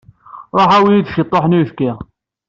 Ṛuḥ awi-iyi-d ciṭṭaḥ n uyefki.